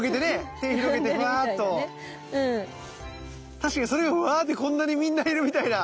確かにそれがうわってこんなにみんないるみたいな。